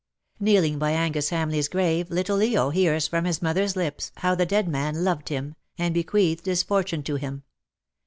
Kneeling by Angus Hamleigh's grave, little Leo hears from his mother^s lips how the dead man loved him, and bequeathed his fortune to him.